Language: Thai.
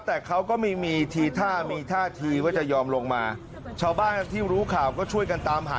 แต่เขาก็ไม่มีมีทีท่ามีท่าทีว่าจะยอมลงมาชาวบ้านที่รู้ข่าวก็ช่วยกันตามหา